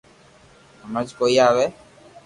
ھمج ڪوئي آوي